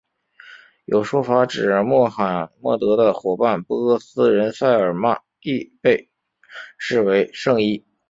有说法指穆罕默德的伙伴波斯人塞尔曼亦被视为圣裔。